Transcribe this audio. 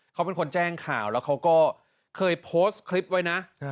เขาเป็นคนแจ้งข่าวแล้วเขาก็เคยโพสต์คลิปไว้นะ